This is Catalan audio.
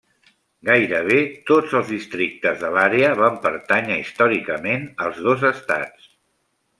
Gairebé tots els districtes de l'àrea van pertànyer històricament als dos estats.